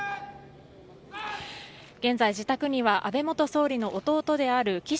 現在、自宅には安倍元総理の弟である岸